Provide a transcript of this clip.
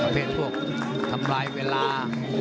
เป็นพวกทำลายเวลา